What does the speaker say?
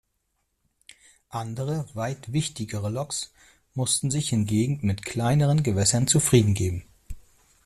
Andere weit wichtigere Loks mussten sich hingegen mit kleineren Gewässern zufriedengeben.